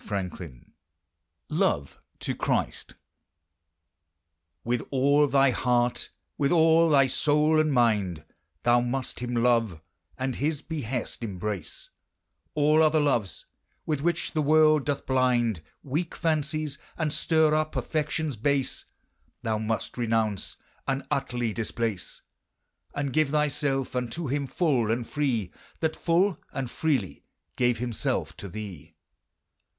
FROM "AN HYMNE OF HEAVENLY LOVE." With all thy hart, with all thy soule and mind, Thou must him love, and his beheasts embrace; All other loves, with which the world doth blind Weake fancies, and stirre up affections base, Thou must renounce and utterly displace, And give thy selfe unto him full and free, That full and freely gave himselfe to thee.